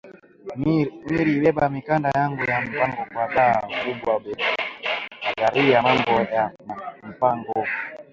Miri beba mikanda yangu ya mpango kwa ba kubwa beko nagariya mambo ya ma mpango